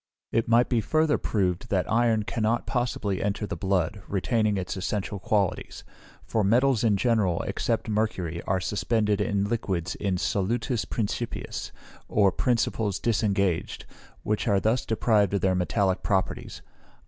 It might be further proved, that iron cannot possibly enter the blood, retaining its essential qualities; for metals in general, except mercury, are suspended in liquids in solutis principiis, or principles disengaged, which are thus deprived of their metallic properties.